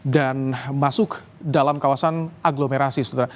dan masuk dalam kawasan agglomerasi